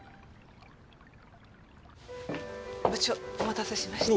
部長お待たせしました。